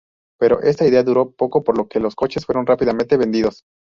Pero esta idea duró poco por lo que los coches fueron rápidamente vendidos.